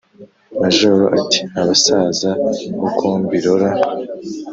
Majoro ati: "Abasaza uko mbirora,